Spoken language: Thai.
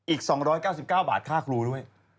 อีก๒๙๙บาทค่าครูด้วย